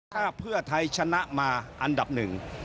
ถ้าเพื่อไทยชนะมาอันดับหนึ่ง